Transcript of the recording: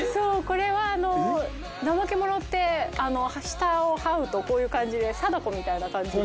これはナマケモノって下をはうとこういう感じで貞子みたいな感じで。